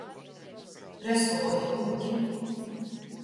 Reskavuotī kūki.